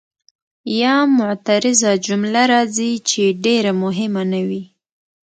یا معترضه جمله راځي چې ډېره مهمه نه وي.